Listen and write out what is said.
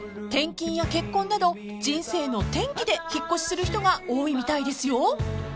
［転勤や結婚など人生の転機で引っ越しする人が多いみたいですよ］